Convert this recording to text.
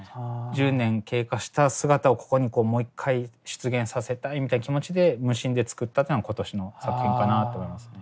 １０年経過した姿をここにもう一回出現させたいみたいな気持ちで無心で作ったというのが今年の作品かなあと思いますね。